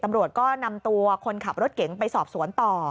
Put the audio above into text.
ตำรวจก็นำตัวคนขับรถเก๋งไปสอบสวนต่อ